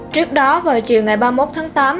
trước đó vào chiều ngày ba mươi một tháng tám